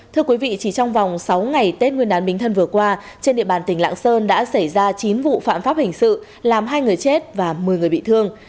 thưa quý vị chỉ trong vòng sáu ngày tết nguyên đán bính thân vừa qua trên địa bàn tỉnh lạng sơn đã xảy ra chín vụ phạm pháp hình sự làm hai người chết và một mươi người bị thương